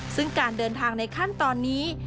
ซึ่งการเดินทางในขั้นตอนนี้